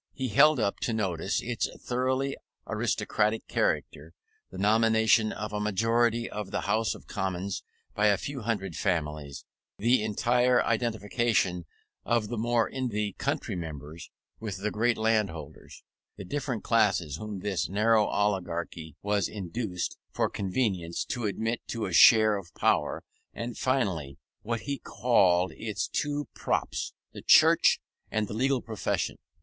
He held up to notice its thoroughly aristocratic character: the nomination of a majority of the House of Commons by a few hundred families; the entire identification of the more independent portion, the county members, with the great landholders; the different classes whom this narrow oligarchy was induced, for convenience, to admit to a share of power; and finally, what he called its two props, the Church, and the legal profession.